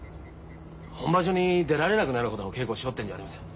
本場所に出られなくなるほどの稽古をしようってんじゃありません。